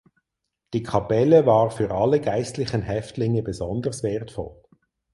Die Kapelle war für alle geistlichen Häftlinge besonders wertvoll.